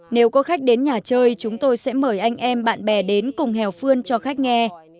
nếu có khách đến nhà chơi chúng tôi sẽ mời anh em bạn bè đến cùng hèo phương cho khách nghe